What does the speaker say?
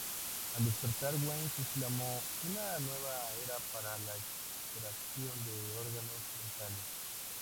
Al despertar, Wells exclamó: ""Una nueva era para la extracción de órganos dentales"".